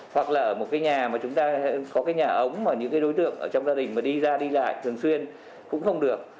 hoặc là ở một nhà mà chúng ta có nhà ống mà những đối tượng trong gia đình đi ra đi lại thường xuyên cũng không được